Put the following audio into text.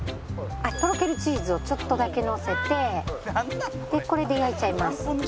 とろけるチーズをちょっとだけのせてこれで焼いちゃいます。